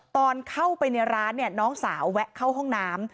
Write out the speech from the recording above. ตอนเข้าไปในร้านเนี่ยน้องสาวแวะเข้าห้องน้ำ